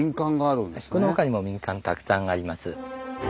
この他にも民間たくさんあります。